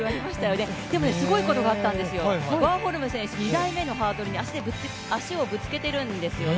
すごいことがあったんですよ、ワーホルム選手、２台目のハードルに足をぶつけてるんですよね。